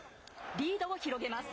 リードを広げます。